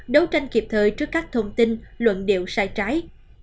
đấu tranh kịp thời trước các thông tin luận điệu sai trái